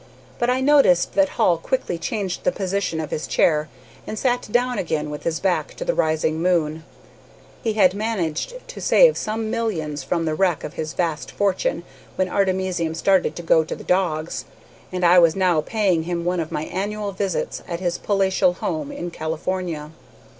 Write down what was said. But I noticed that Hall quickly changed the position of his chair, and sat down again with his back to the rising moon. He had managed to save some millions from the wreck of his vast fortune when artemisium started to go to the dogs, and I was now paying him one of my annual visits at his palatial home in California.